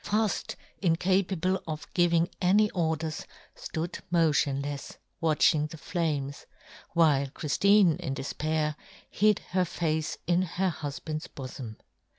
Fuft, incapable of giving any orders, flood motionlefs watching the flames, while Chriftine, in defpair, hid her yohn Gutenberg. 8i face in her hufband's bofom.